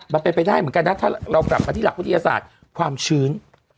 มันเป็นไปได้เหมือนกันนะถ้าเรากลับมาที่หลักวิทยาศาสตร์ความชื้น